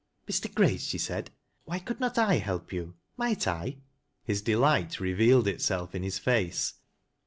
"Mr. Grace," she said, "why could not / help jou ! Might I?" His delight revealed itself in his face.